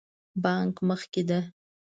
بانک مخکې ده